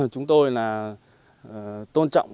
chúng tôi tôn trọng